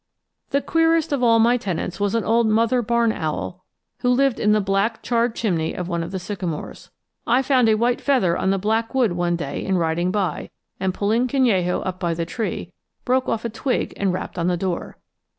The queerest of all my tenants was an old mother barn owl who lived in the black charred chimney of one of the sycamores. I found a white feather on the black wood one day in riding by, and pulling Canello up by the tree, broke off a twig and rapped on the door.